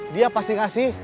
dia pasti kasih